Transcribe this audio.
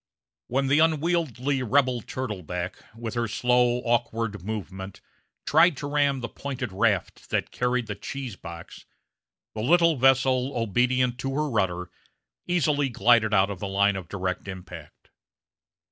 When the unwieldy rebel turtleback, with her slow, awkward movement, tried to ram the pointed raft that carried the cheese box, the little vessel, obedient to her rudder, easily glided out of the line of direct impact.